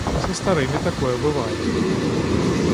Са старымі такое бывае.